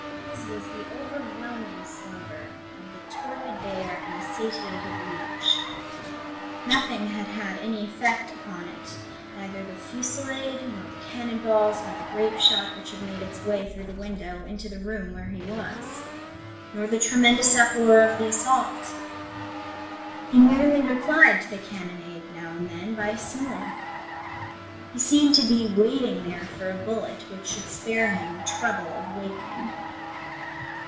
His was the overwhelming slumber of the torpid bear and the satiated leech. Nothing had had any effect upon it, neither the fusillade, nor the cannon balls, nor the grape shot which had made its way through the window into the room where he was. Nor the tremendous uproar of the assault. He merely replied to the cannonade, now and then, by a snore. He seemed to be waiting there for a bullet which should spare him the trouble of waking.